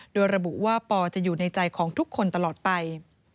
โดยระบุว่าปอจะอยู่ในใจของทุกคนตลอดไป